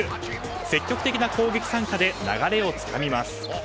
積極的な攻撃参加で流れをつかみます。